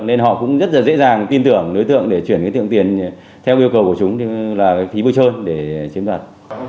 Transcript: nên họ cũng rất là dễ dàng tin tưởng đối tượng để chuyển tiện tiền theo yêu cầu của chúng là phí bơi trơn để chiếm đoạn